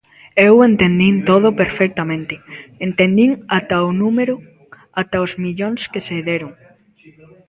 Eu entendín todo perfectamente; entendín ata o número, ata os millóns que se deron.